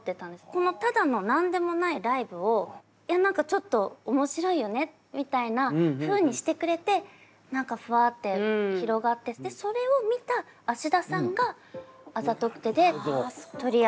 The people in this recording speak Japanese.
このただの何でもないライブをちょっと面白いよねみたいなふうにしてくれてふわって広がってそれを見た芦田さんが「あざとくて」で取り上げて。